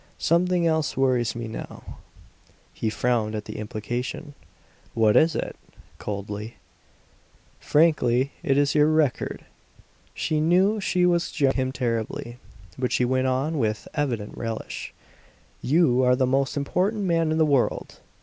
Something else worries me now." He frowned at the implication. "What is it?" coldly. "Frankly, it is your record." She knew she was jarring him terribly, but she went on with evident relish, "You are the most important man in the world.